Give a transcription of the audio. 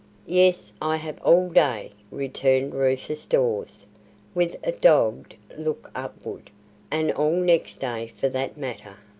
"Yes, I have all day," returned Rufus Dawes, with a dogged look upward, "and all next day, for that matter.